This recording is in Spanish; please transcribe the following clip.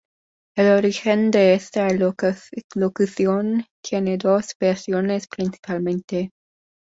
El origen de esta locución tiene dos versiones principalmente.